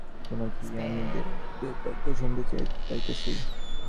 প্রতাপাদিত্য বলিয়া উঠিলেন, তোমার কাছে কি আমি বেদবাক্য শুনিতে চাহিতেছি?